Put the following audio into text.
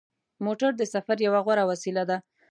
موټر د سفر یوه غوره وسیله ده.